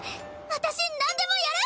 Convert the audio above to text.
私何でもやる！